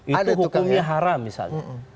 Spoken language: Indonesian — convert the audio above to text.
itu hukumnya haram misalnya